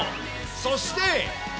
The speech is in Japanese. そして。